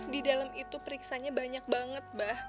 di dalam itu periksanya banyak banget mbak